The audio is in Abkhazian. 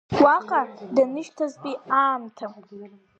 Уаҟа данышьҭазтәи аамҭа.